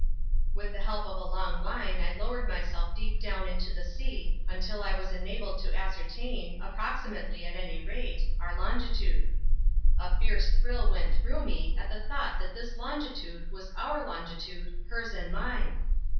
With the help of a long line I lowered myself deep down into the sea until I was enabled to ascertain, approximately at any rate, our longitude. A fierce thrill went through me at the thought that this longitude was our longitude, hers and mine.